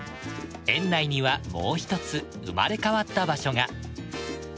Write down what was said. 園内にはもう一つ生まれ変わった場所が。